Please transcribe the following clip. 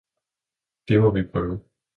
det må vi prøve!